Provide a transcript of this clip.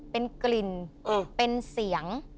เป็นกลิ่นเป็นเสียง